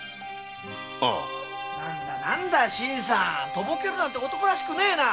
とぼけるなんて男らしくねえな。